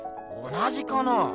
同じかな？